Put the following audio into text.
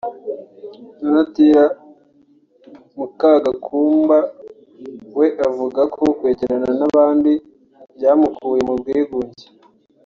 Donatilla Mukagakumba we avuga ko kwegerana n’abandi byamukuye mu bwigunge